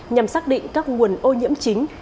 nhằm xác định các nguồn ô nhiễm chính